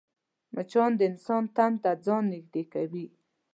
مچان د انسان تن ته ځان نږدې کوي